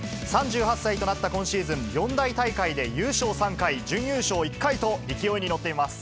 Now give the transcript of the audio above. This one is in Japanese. ３８歳となった今シーズン、４大大会で優勝３回、準優勝１回と勢いに乗っています。